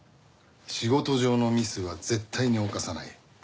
仕事上のミスは絶対に犯さない。